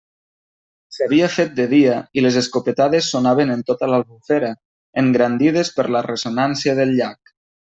S'havia fet de dia i les escopetades sonaven en tota l'Albufera, engrandides per la ressonància del llac.